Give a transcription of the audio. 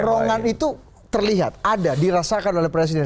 perong rongan itu terlihat ada dirasakan oleh presiden